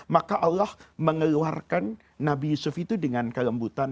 maka allah mengeluarkan nabi yusuf itu dengan kelembutan